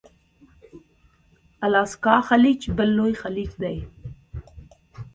الاسکا خلیج بل لوی خلیج دی.